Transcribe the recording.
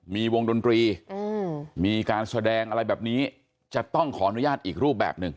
มีวงดนตรีมีการแสดงอะไรแบบนี้จะต้องขออนุญาตอีกรูปแบบหนึ่ง